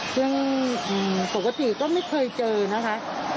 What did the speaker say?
ที่ทุกประสิทธิ์ก็ไม่เคยเจอนะคะ